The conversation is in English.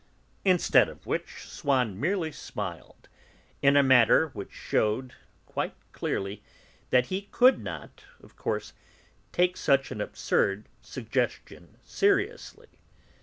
Instead of which, Swann merely smiled, in a manner which shewed, quite clearly, that he could not, of course, take such an absurd suggestion seriously.